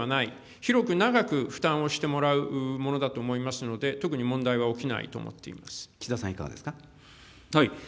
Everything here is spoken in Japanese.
広く長く負担をしてもらうものだと思いますので、特に問題は起き岸田さん、いかがですか。